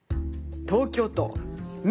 東京都み